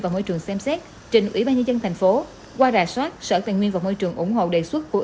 và môi trường xem xét trên ubnd tp hcm qua rà soát sở tài nguyên và môi trường ủng hộ đề xuất của